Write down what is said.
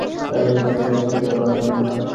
তারা মিলফোর্ডের কাছেই থাকে, জানো তো।